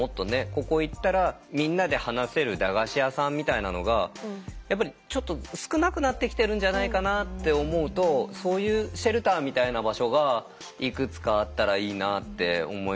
ここ行ったらみんなで話せる駄菓子屋さんみたいなのがやっぱりちょっと少なくなってきてるんじゃないかなって思うとそういうシェルターみたいな場所がいくつかあったらいいなって思いますよね。